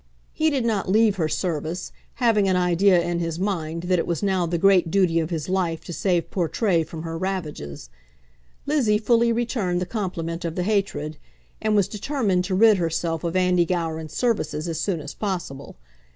He did not leave her service, having an idea in his mind that it was now the great duty of his life to save Portray from her ravages. Lizzie fully returned the compliment of the hatred, and was determined to rid herself of Andy Gowran's services as soon as possible.